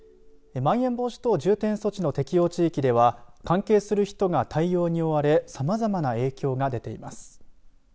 まん延防止等重点措置の適用地域では関係する人が対応に追われさまざまな影響が出ています。